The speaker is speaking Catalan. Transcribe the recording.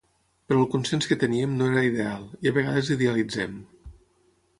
Però el consens que teníem no era ideal, i a vegades l’idealitzem.